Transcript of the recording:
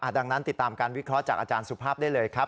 ดังนั้นติดตามการวิเคราะห์จากอาจารย์สุภาพได้เลยครับ